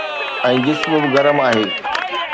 ۽ جسم به گرم آهي.